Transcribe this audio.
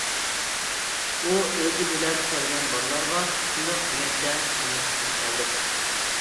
ئۇ ئۆزى بىلەن كەلگەن بالىلارغا شۇنداق دېگەنچە مېڭىشقا تەمشەلدى.